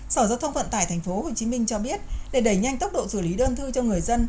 sở giao thông vận tải tp hcm cho biết để đẩy nhanh tốc độ xử lý đơn thư cho người dân